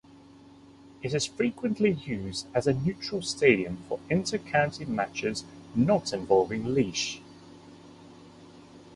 It is frequently used as a neutral stadium for inter-county matches not involving Laois.